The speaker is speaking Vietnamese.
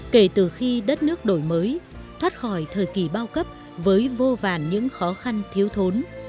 kể từ khi đất nước đổi mới thoát khỏi thời kỳ bao cấp với vô vàn những khó khăn thiếu thốn